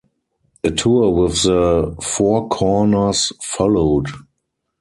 A tour with The Four Corners followed.